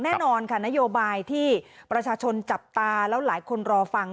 แน่นอนค่ะนโยบายที่ประชาชนจับตาแล้วหลายคนรอฟัง